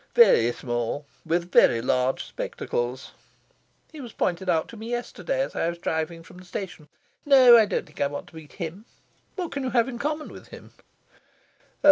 "Very small, with very large spectacles." "He was pointed out to me yesterday, as I was driving from the Station ... No, I don't think I want to meet him. What can you have in common with him?"